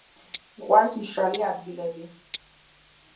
უყვარს მშრალი ადგილები.